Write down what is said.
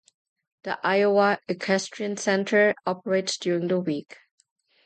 The Iowa Equestrian Center operates during the week.